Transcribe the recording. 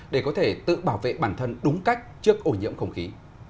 để có thể tự bảo vệ bản thân đúng cách trước ô nhiễm không khí